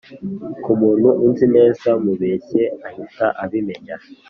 Kumuntu unzi neza mubeshye ahita abimenya